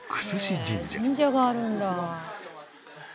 「神社があるんだ」